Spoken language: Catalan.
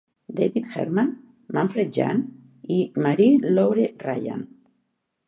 David Herman, Manfred Jahn i Marie Laure Ryan.